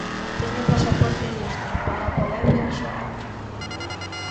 Teño pasaporte listo para poder viaxar.